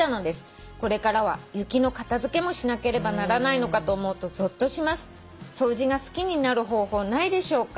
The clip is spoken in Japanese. これからは雪の片付けもしなければならないのかと思うとぞっとします」「掃除が好きになる方法ないでしょうか？」